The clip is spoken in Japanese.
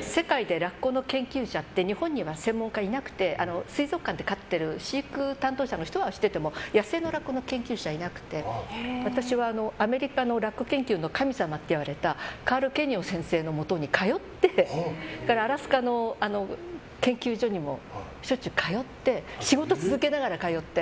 世界でラッコの研究者って日本には専門家いなくて水族館で飼ってる飼育担当者の人は知っていても野生のラッコの研究者はいなくて私はアメリカのラッコ研究の神様と言われたカール先生のもとに通って、それからアラスカの研究所にもしょっちゅう通って仕事を続けながら通って。